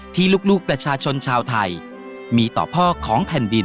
ที่ลูกประชาชนชาวไทยมีต่อพ่อของแผ่นดิน